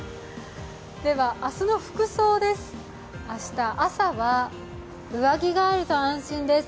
では、明日の服装です、明日朝は上着があると安心です。